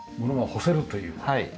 はい。